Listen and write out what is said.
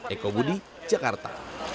eko budi jakarta